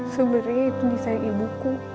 sudah beritahunya desain ibuku